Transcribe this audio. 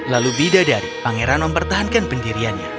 lalu bidadari pangeran mempertahankan pendiriannya